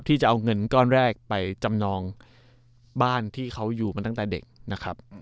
ที่จะเอาเงินก้อนแรกไปจำนองบ้านที่เขาอยู่ตั้งแต่เด็ก